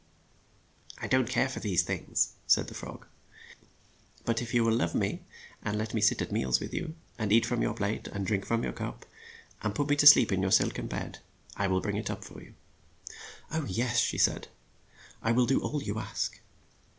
"I do not care for those things," said the frog. "But if you will love me, and let me sit at meals with you, and ! '^lilP^n' ' eat from your plate, and jplV\ drink out of your cup, and put me to sleep in your silk en bed, I will bring it up for you." "Oh, yes," she said, "I will do all you ask."